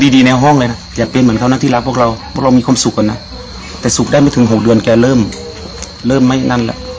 คิดว่าเป็นทุกขลาดหนึ่ง๙๐ล้าน